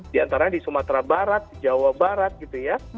di antara di sumatera barat jawa barat gitu ya